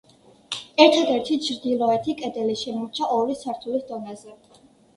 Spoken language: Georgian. ერთადერთი ჩრდილოეთი კედელი შემორჩა ორი სართულის დონეზე.